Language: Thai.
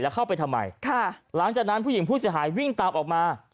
แล้วเข้าไปทำไมค่ะหลังจากนั้นผู้หญิงผู้เสียหายวิ่งตามออกมา